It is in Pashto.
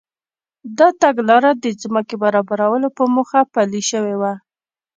دا تګلاره د ځمکې برابرولو په موخه پلي شوې وه.